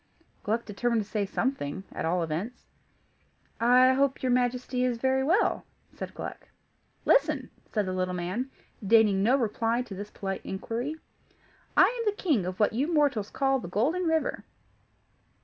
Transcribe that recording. Gluck determined to say something at all events. "I hope your Majesty is very well," said Gluck. "Listen!" said the little man, deigning no reply to this polite inquiry. "I am the King of what you mortals call the Golden River.